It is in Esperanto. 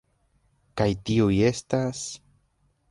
Kaj tiuj estas...